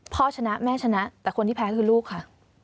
ชนะแม่ชนะแต่คนที่แพ้คือลูกค่ะ